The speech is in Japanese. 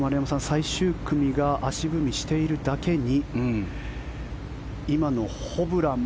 最終組が足踏みしているだけに今のホブラン